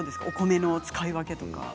お米の使い分けとか。